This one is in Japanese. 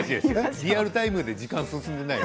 リアルタイムで時間は進んでいないよ。